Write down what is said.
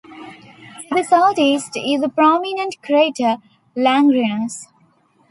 To the southeast is the prominent crater Langrenus.